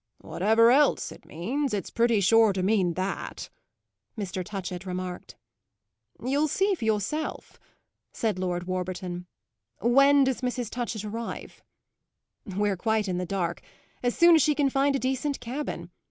"Whatever else it means, it's pretty sure to mean that," Mr. Touchett remarked. "You'll see for yourself," said Lord Warburton. "When does Mrs. Touchett arrive?" "We're quite in the dark; as soon as she can find a decent cabin.